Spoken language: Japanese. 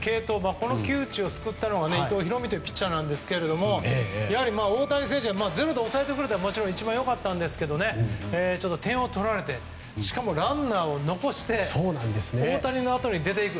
この窮地を救ったのは伊藤大海というピッチャーですがやはり大谷選手が０で抑えてくれたらもちろん一番良かったんですけど点を取られてしかもランナーを残して大谷のあとに出て行く。